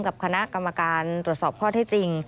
กับคณะกรรมการตรวจสอบข้อเท็จจริง